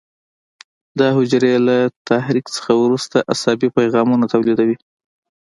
دا حجرې له تحریک څخه وروسته عصبي پیغامونه تولیدوي.